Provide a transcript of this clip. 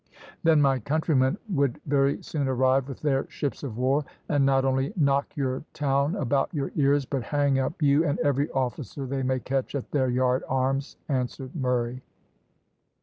"Then my countrymen would very soon arrive with their ships of war, and not only knock your town about your ears, but hang up you and every officer they may catch at their yard arms," answered Murray.